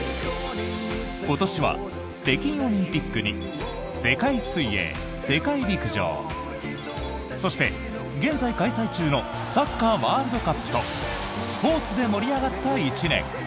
今年は北京オリンピックに世界水泳、世界陸上そして、現在開催中のサッカーワールドカップとスポーツで盛り上がった１年。